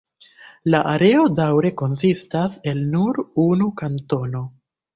La areo daŭre konsistas el nur unu kantono.